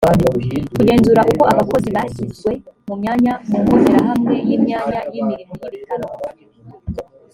kugenzura uko abakozi bashyizwe mu myanya mu mbonerahamwe y imyanya y imirimo yibitaro